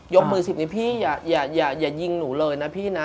กมือ๑๐นี้พี่อย่ายิงหนูเลยนะพี่นะ